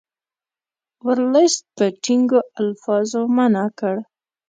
ورلسټ په ټینګو الفاظو منع کړ.